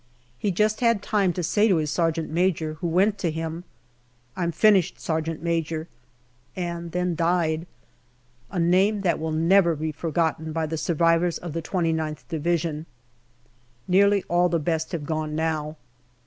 He just had time to say to his sergeant major, who went to him, " I'm finished, sergeant major," and then died. A name that will never be forgotten by the survivors of the 2gth Division. Nearly all the best have gone now.